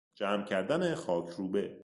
جمع کردن خاکروبه